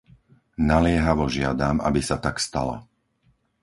Naliehavo žiadam, aby sa tak stalo.